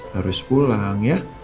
harus pulang ya